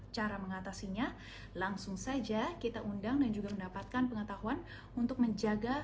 cara mengatasinya langsung saja kita undang dan juga mendapatkan pengetahuan untuk menjaga